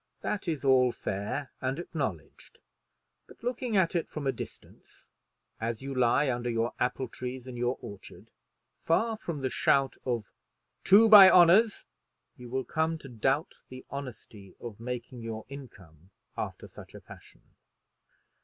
That is all fair and acknowledged; but looking at it from a distance, as you lie under your apple trees in your orchard, far from the shout of "Two by honors," you will come to doubt the honesty of making your income after such a fashion.